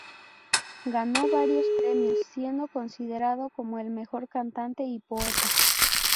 Ganó varios premios siendo considerado como el mejor cantante y poeta.